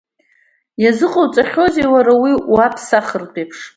Иазыҟауҵахьоузеи уара, уи уаԥсахартә еиԥш?!